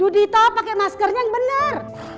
tujuh dito pakai maskernya yang benar